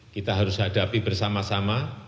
kita harus hadapi bersama sama